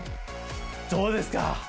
どうですか？